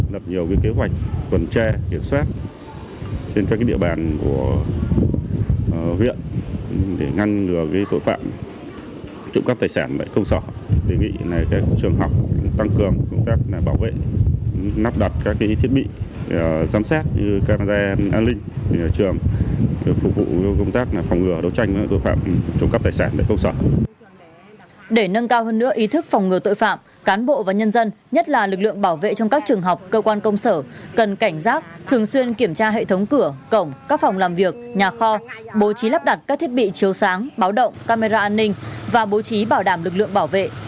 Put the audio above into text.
để nâng cao hơn nữa ý thức phòng ngừa tội phạm cán bộ và nhân dân nhất là lực lượng bảo vệ trong các trường học cơ quan công sở cần cảnh giác thường xuyên kiểm tra hệ thống cửa cổng các phòng làm việc nhà kho bố trí lắp đặt các thiết bị chiếu sáng báo động camera an ninh và bố trí bảo đảm lực lượng bảo vệ